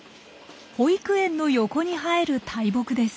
保育園の横に生える大木です。